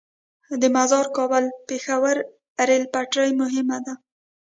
د مزار - کابل - پیښور ریل پټلۍ مهمه ده